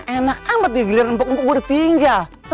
enak amat nih giliran pokok gua udah tinggal